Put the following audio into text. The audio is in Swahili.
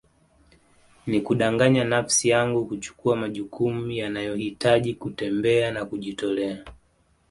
Ni kudanganya nafsi yangu kuchukua majukumu yanayohitaji kutembea na kujitolea